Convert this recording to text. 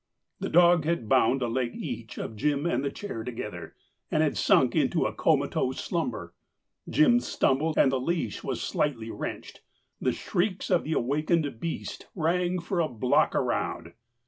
The dog had bound a leg each of Jim and the chair together, and had sunk into a comatose slumber. Jim stumbled, and the leash was slightly wrenched. The shrieks of the awakened beast rang for a block around.